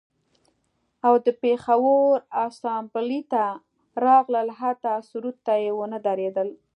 و د پیښور اسامبلۍ ته راغلل حتی سرود ته یې ونه دریدل